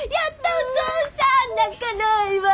お父さん泣かないわ。